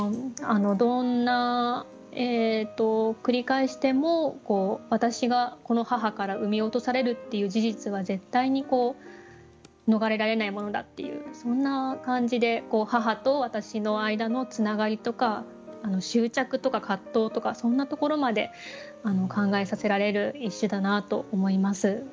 どんな繰り返しても私がこの母から産み落とされるっていう事実は絶対に逃れられないものだっていうそんな感じで母と私の間のつながりとか執着とか葛藤とかそんなところまで考えさせられる一首だなと思います。